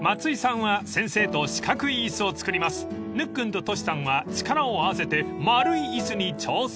［ぬっくんとトシさんは力を合わせて丸い椅子に挑戦］